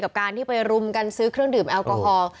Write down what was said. กับการที่ไปรุมกันซื้อเครื่องดื่มแอลกอฮอล์